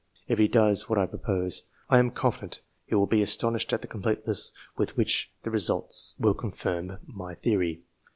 If he does what I propose, I am confident he will be astonished at the completeness with which the results will confirm my theory.